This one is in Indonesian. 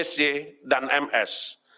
j dan ms